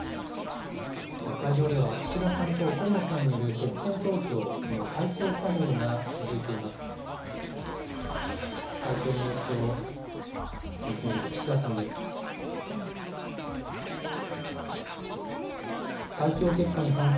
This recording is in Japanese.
会場では、岸田さんと河野さんによる決選投票、その開票作業が続いています。